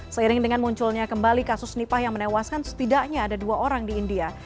seiring dengan munculnya kembali kasus nipah yang menewaskan setidaknya ada dua orang di india